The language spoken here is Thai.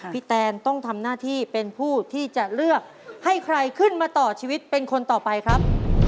แตนต้องทำหน้าที่เป็นผู้ที่จะเลือกให้ใครขึ้นมาต่อชีวิตเป็นคนต่อไปครับ